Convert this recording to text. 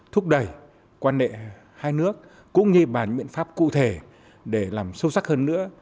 thúc đẩy quan hệ hai nước cũng như bàn biện pháp cụ thể để làm sâu sắc hơn nữa